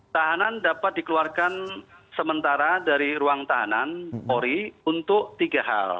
tahanan dapat dikeluarkan sementara dari ruang tahanan ori untuk tiga hal